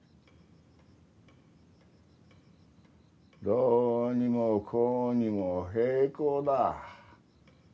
どうにもこうにも閉口だ。